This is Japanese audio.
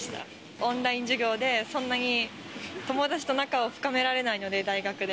オンライン授業で、そんなに友達と仲を深められないので、大学で。